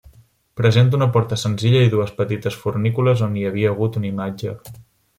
Presenta una porta senzilla i dues petites fornícules, on hi havia hagut una imatge.